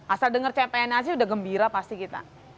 asal dengar cpns sudah gembira pasti kita